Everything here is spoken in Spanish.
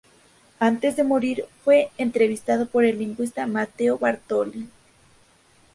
Antes de morir, fue entrevistado por el lingüista Matteo Bartoli.